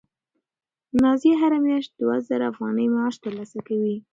نازیه هره میاشت دوه زره افغانۍ معاش ترلاسه کوي.